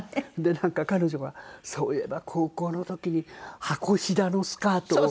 なんか彼女がそういえば高校の時に箱ひだのスカートを。